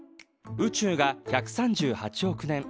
宇宙が１３８億年。